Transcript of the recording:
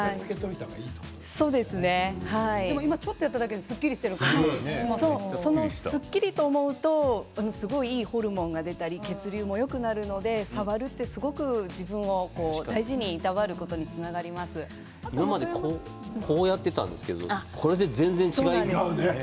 今ちょっとやっただけでもすっきりと思うとすごくいいホルモンが出たり血流もよくなるので触ると、すごく自分を大事にいたわることに今までこうやっていたんですけど全然、違いますね。